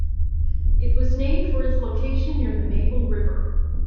It was named from its location near the Maple River.